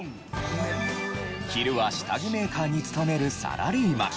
昼は下着メーカーに勤めるサラリーマン。